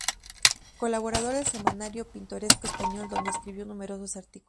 Colaborador del "Semanario Pintoresco Español", donde escribió numerosos artículos.